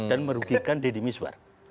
dan merugikan deddy miswar